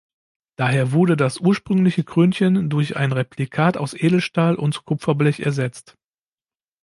Daher wurde das ursprüngliche Krönchen durch ein Replikat aus Edelstahl und Kupferblech ersetzt.